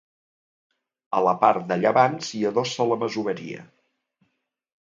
A la part de llevant s'hi adossa la masoveria.